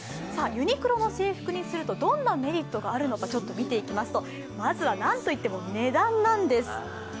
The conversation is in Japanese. ユニクロの制服にするのかどんなメリットがあるのかちょっと見ていきますと、まずはなんといっても値段なんです。